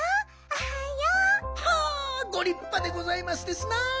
おはよう！はあごりっぱでございますですな。